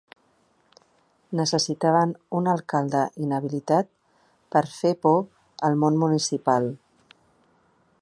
Necessitaven un alcalde inhabilitat per fer por al món municipal.